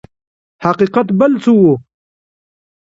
حقیقت بل څه و.